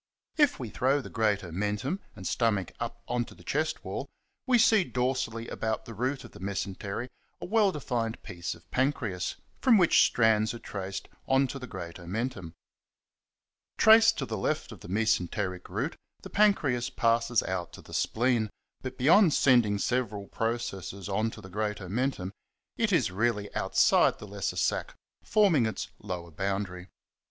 If we throw the great omen tum and stomach up on to the chest wall we see dorsally about the root of the mesentery a well defined piece of pancreas, from which strands are traced on to the great omentum. Traced to the left of the mesenteric root, the pancreas passes out to the spleen, but beyond sending several processes on to the great omentum it is really out side the lesser sac, forming its lower boundary.